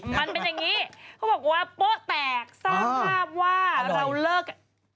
เขาบอกว่าโปโตะแตก